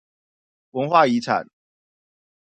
文化遺產